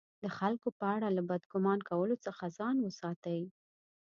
د خلکو په اړه له بد ګمان کولو څخه ځان وساتئ!